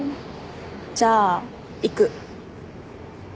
じゃあ行く。